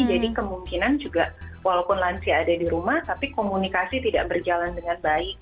jadi kemungkinan juga walaupun lansia ada di rumah tapi komunikasi tidak berjalan dengan baik